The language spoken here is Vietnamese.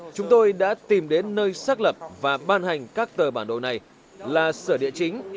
chúng tôi đã tìm đến nơi xác lập và ban hành các tờ bản đồ này là sửa địa chính